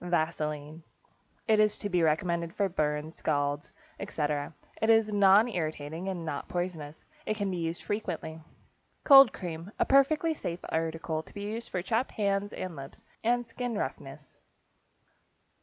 =Vaseline.= It is to be recommended for burns, scalds, etc. It is nonirritating and is not poisonous. It can be used frequently. =Cold Cream.= A perfectly safe article to be used for chapped hands and lips, and skin roughness.